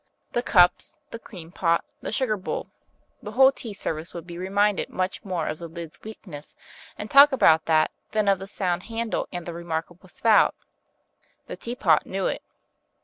The cups, the cream pot, the sugar bowl, the whole tea service would be reminded much more of the lid's weakness, and talk about that, than of the sound handle and the remarkable spout. The Teapot knew it.